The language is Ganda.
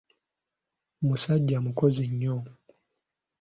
Musajja mukozi nnyo.